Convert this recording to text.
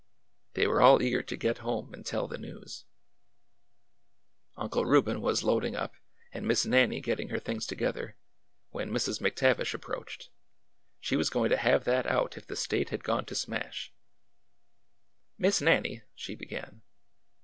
They were all eager to get home and tell the news Uncle Reuben was loading up and Miss Nannie get ting her things together, when Mrs. McTavish ap proached. She was going to have that out if the State had gone to smash! Miss Nannie," she began.